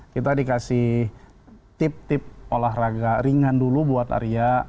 kita dikasih tip tip olahraga ringan dulu buat arya